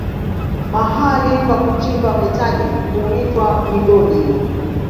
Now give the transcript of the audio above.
Mahali pa kuchimba metali huitwa migodi.